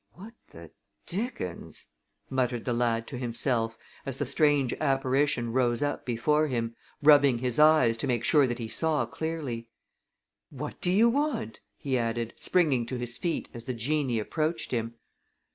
"What the dickens!" muttered the lad to himself as the strange apparition rose up before him, rubbing his eyes to make sure that he saw clearly. "What do you want?" he added, springing to his feet as the genie approached him.